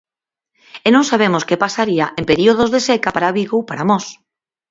E non sabemos que pasaría en períodos de seca para Vigo ou para Mos.